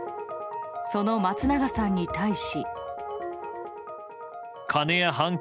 その松永さんに対し。